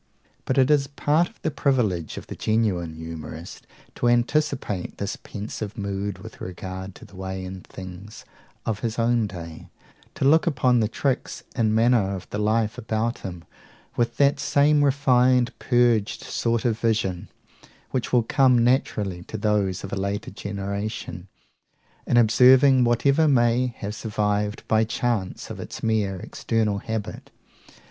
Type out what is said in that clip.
But it is part of the privilege of the genuine humourist to anticipate this pensive mood with regard to the ways and things of his own day; to look upon the tricks in manner of the life about him with that same refined, purged sort of vision, which will come naturally to those of a later generation, in observing whatever may have survived by chance of its mere external habit.